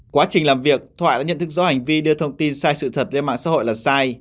quá trình làm việc thoại đã nhận thức rõ hành vi đưa thông tin sai sự thật lên mạng xã hội là sai